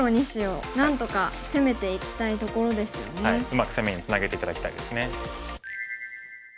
うまく攻めにつなげて頂きたいですね。